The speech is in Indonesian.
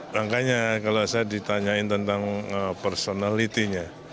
rangkanya kalau saya ditanyain tentang personality nya